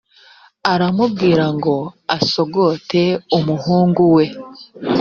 aramubwira ngo asogote umuhungu we